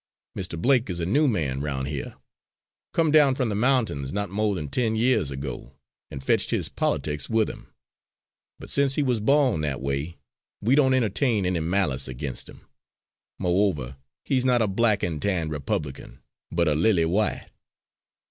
Mr. Blake is a new man roun' heah come down from the mountains not mo' than ten yeahs ago, an' fetched his politics with him; but since he was born that way we don't entertain any malice against him. Mo'over, he's not a 'Black and Tan Republican,' but a 'Lily White.'"